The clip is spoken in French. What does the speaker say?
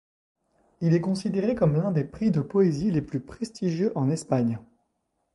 Il est considéré comme l'un des prix de poésie les plus prestigieux en Espagne.